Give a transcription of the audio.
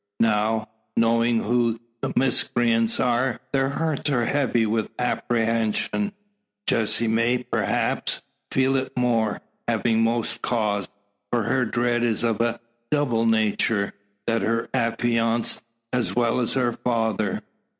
Now, knowing who the miscreants are, their hearts are heavy with apprehension. Jessie may, perhaps, feel it the more, having most cause for her dread is of a double nature. There is her affianced, as well as her father!